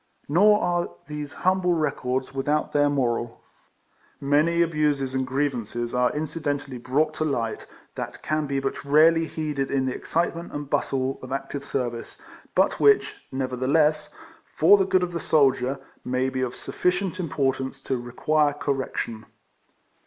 Nor are these humble records without their moral. I>Iany abuses and grievances are incident ally brought to light, that can be but rarely heeded in the excitement and bustle of active service, but which, nevertheless, for 11 ADVERTISEMENT. the good of the soldier, may be of sufficient importance to require correction.